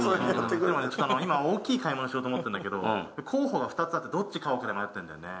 大きい買い物しようと思ってるんだけど候補が２つあって、どっち買おうか迷ってるんだよね。